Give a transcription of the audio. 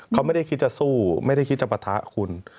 เขาไม่ได้คิดจะสู้ไม่ได้คิดจะปะทะคุณ